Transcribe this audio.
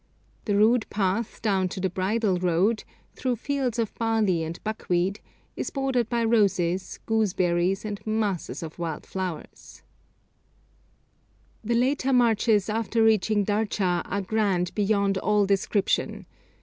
The rude path down to the bridle road, through fields of barley and buckwheat, is bordered by roses, gooseberries, and masses of wild flowers. [Illustration: GONPO AT KYLANG] The later marches after reaching Darcha are grand beyond all description.